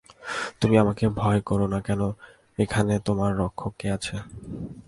তুমি আমাকে ভয় কর না কেন, এখানে তোমার রক্ষক কে আছে।